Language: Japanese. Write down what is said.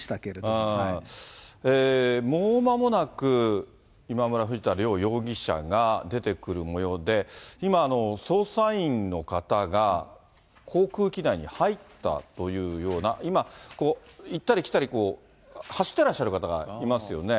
もうまもなく今村、藤田両容疑者が出てくるもようで、今、捜査員の方が航空機内に入ったというような、今、行ったり来たり、走ってらっしゃる方がいますよね。